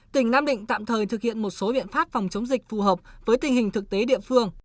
tỉnh nam định tạm thời thực hiện một số biện pháp phòng chống dịch phù hợp với tình hình thực tế địa phương